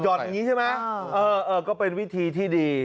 อย่างนี้ใช่ไหมเออก็เป็นวิธีที่ดี